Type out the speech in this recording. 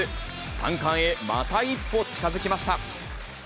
３冠へ、また一歩近づきました。